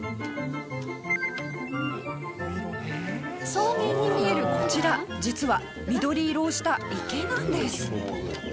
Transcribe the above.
草原に見えるこちら実は緑色をした池なんです。